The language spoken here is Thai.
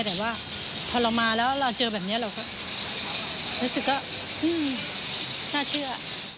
แต่ว่าพอเรามาแล้วเราเจอแบบนี้เราก็รู้สึกว่าน่าเชื่อ